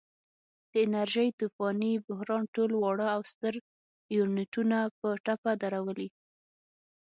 د انرژۍ طوفاني بحران ټول واړه او ستر یونټونه په ټپه درولي.